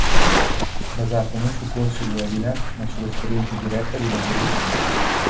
Basato non su corsi o webinar ma sull'esperienza diretta di lavoro in team.